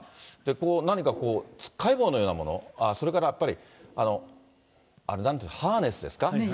何かこう、つっかえ棒のようなもの、それからやっぱり、ハーネスですか。